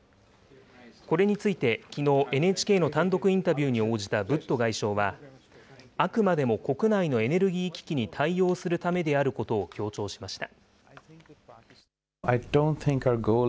これについてきのう、ＮＨＫの単独インタビューに応じたブット外相は、あくまでも国内のエネルギー危機に対応するためであることを強調しました。